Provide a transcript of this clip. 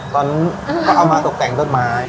ตอนนั้นก็ละเอาเอามาตกแกงทวดไม้